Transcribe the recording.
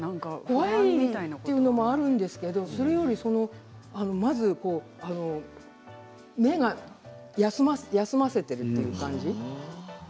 怖いっていうのもあるんですけれど、それよりまず目を休ませている感じ。